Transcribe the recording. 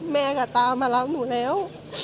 แม่ก็ตามมารับหนูแล้ว